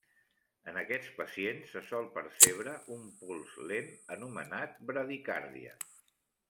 En aquests pacients se sol percebre un pols lent anomenat bradicàrdia.